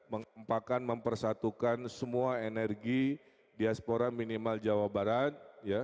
mengempakan mempersatukan semua energi diaspora minimal jawa barat